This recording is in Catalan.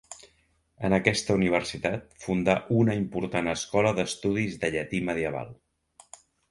En aquesta universitat fundà una important escola d’estudis de llatí medieval.